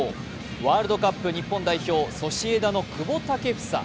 ワールドカップ日本代表、ソシエダの久保建英。